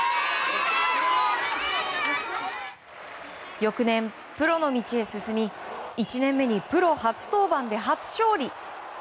翌年、プロの道へ進み１年目にプロ初登板で初勝利。